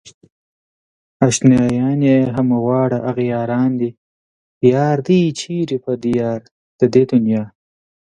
اشنايان يې همه واړه اغياران دي يار دئ چيرې په ديار د دې دنيا